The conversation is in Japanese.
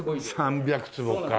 ３００坪か。